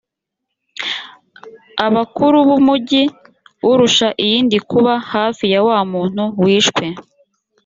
abakuru b’umugi urusha iyindi kuba hafi ya wa muntu wishwe